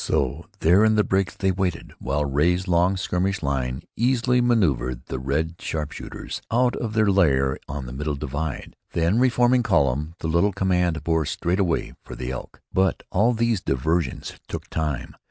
So there in the breaks they waited while Ray's long skirmish line easily manoeuvred the red sharp shooters out of their lair on the middle divide. Then, reforming column, the little command bore straight away for the Elk. But all these diversions took time.